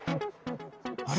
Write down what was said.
あれ？